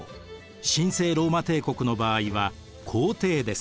神聖ローマ帝国の場合は皇帝です。